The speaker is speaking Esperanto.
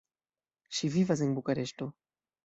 Ŝi vivas en Bukareŝto.